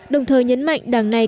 đồng thời nhấn mạnh đảng này